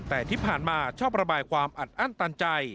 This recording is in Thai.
แต่ที่ผ่านมาชอบระบายความอัดอั้นตันใจ